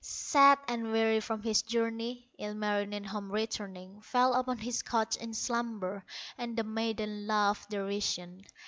Sad and weary from his journey, Ilmarinen, home returning, Fell upon his couch in slumber, And the maiden laughed derision.